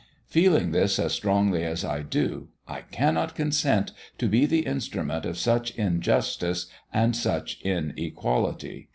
Feeling this as strongly as I do, I cannot consent to be the instrument of such injustice and such inequality.